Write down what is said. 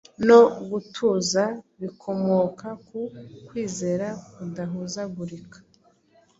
no gutuza bikomoka ku kwizera kudahuzagurika,